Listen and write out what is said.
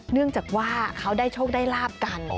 เนื่องจากว่าเขาได้โชคได้ลาบกัน